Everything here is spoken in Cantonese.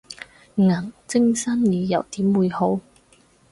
銀晶生意又點會好